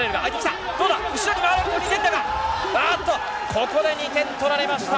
ここで２点取られました。